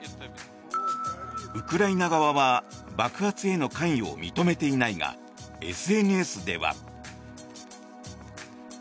ウクライナ側は爆発への関与を認めていないがＳＮＳでは。